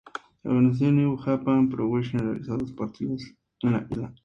La organización New Japan Pro Wrestling realizó dos partidos en la isla.